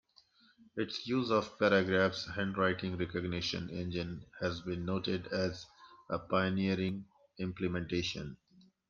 Its use of ParaGraph's handwriting recognition engine has been noted as a pioneering implementation.